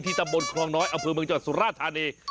ที่ตำบลครองน้อยอำเภอเมืองเจาะสุราธารณี